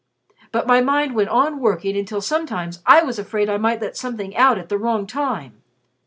But my mind went on working until sometimes I was afraid I might let something out at the wrong time.